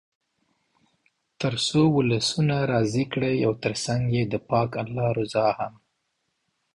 تر څو ولسونه راضي کړئ او تر څنګ یې د پاک الله رضا هم.